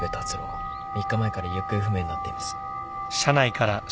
３日前から行方不明になっています。